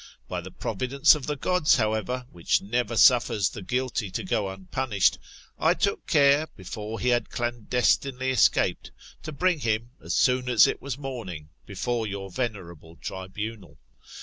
By the providence of the Gods, however, which never suffers the guilty to go unpunished, I took care, before he had clandestinely escaped, to bring him, as soon as it was morning, before your venerable tribunal.